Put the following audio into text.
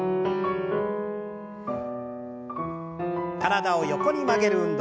体を横に曲げる運動。